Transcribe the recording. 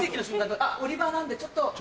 売り場なんでちょっと。